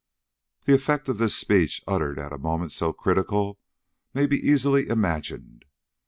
The effect of this speech, uttered at a moment so critical, may be easily imagined.